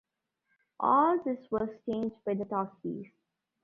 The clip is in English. All this was changed by the talkies.